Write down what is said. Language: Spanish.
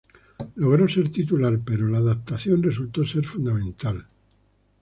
Logró ser titular pero la adaptación resultó ser fundamental.